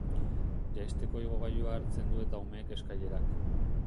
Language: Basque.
Jaisteko igogailua hartzen du eta umeek eskailerak.